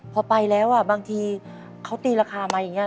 พอไปแล้วบางทีเขาตีราคามาอย่างนี้